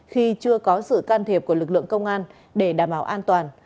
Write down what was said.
khi chưa có sự can thiệp của lực lượng công an để đảm bảo an toàn